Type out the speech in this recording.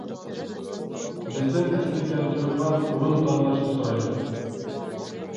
بىزدىن ئەسلىگە كەلتۈرىدىغان ئورۇن تاللاشنى سورايدۇ.